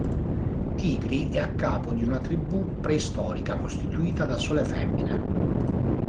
Tigri è a capo di una tribù preistorica costituita da sole femmine.